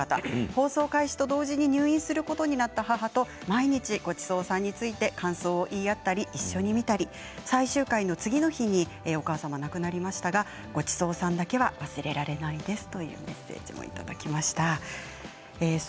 放送開始と同時に入院することになった母と毎日「ごちそうさん」について感想を言い合ったり一緒に見たり最終回の次の日にお母様は亡くなりましたが「ごちそうさん」だけは忘れられないです。